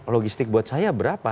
logistik buat saya berapa